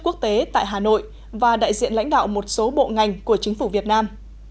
quốc tế tại hà nội và đại diện lãnh đạo một số bộ ngành của chính phủ việt nam